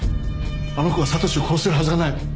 あの子が悟史を殺せるはずがない！